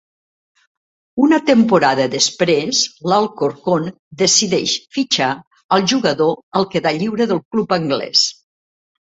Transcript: Una temporada després, l'Alcorcón decideix fitxar al jugador al quedar lliure del club anglès.